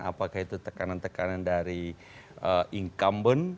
apakah itu tekanan tekanan dari incumbent